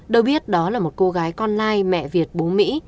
được biết đó là một cô gái con lai mẹ việt bố mỹ